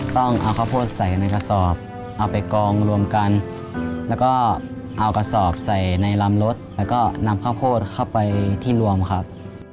ต้องเอาข้าวโพดใส่ในกระสอบเอาไปกองรวมกันแล้วก็เอากระสอบใส่ในลำรถแล้วก็นำข้าวโพดเข้าไปที่รวมครับ